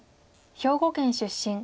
兵庫県出身。